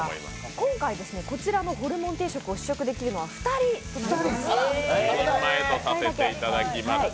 今回こちらのホルモン定食を試食できるのは２人とさせていただきます。